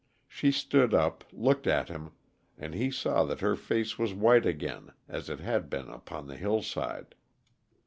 She stood up, looked at him, and he saw that her face was white again, as it had been upon the hillside.